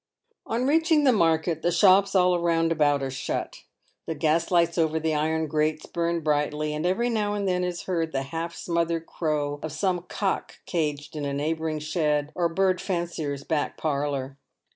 On reaching the market, the shops all round about are shut. The gaslights over the iron gates burn brightly, and every now and then is heard the half smothered crow of some cock caged in a neighbouring shed or bird fancier's back parlour.